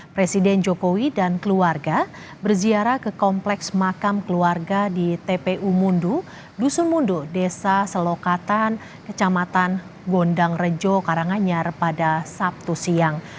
presiden jokowi dan keluarga berziarah ke kompleks makam keluarga di tpu mundu dusun mundu desa selokatan kecamatan gondang rejo karanganyar pada sabtu siang